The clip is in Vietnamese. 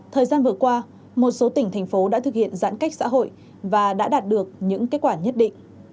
thời gian vừa qua một số tỉnh thành phố đã thực hiện giãn cách xã hội và đã đạt được những kết quả nhất định